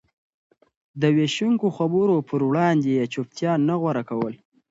د وېشونکو خبرو پر وړاندې يې چوپتيا نه غوره کوله.